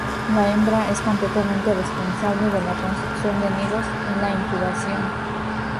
La hembra es completamente responsable de la construcción de nidos y la incubación.